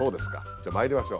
じゃあまいりましょう。